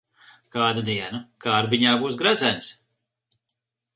Kādu dienu kārbiņā būs gredzens.